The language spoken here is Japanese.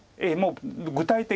具体的にね。